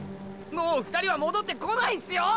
もう２人は戻ってこないんすよ